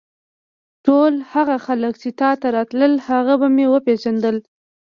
ټول هغه خلک چې تا ته راتلل هغه به مې وپېژندل.